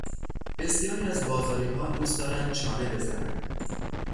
بسیاری از بازاریها دوست دارند چانه بزنند.